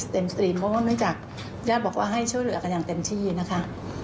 สตรีมเพราะว่าเนื่องจากญาติบอกว่าให้ช่วยเหลือกันอย่างเต็มที่นะคะ